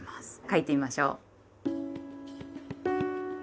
書いてみましょう。